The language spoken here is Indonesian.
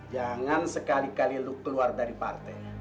jangan sekali kali lu keluar dari partai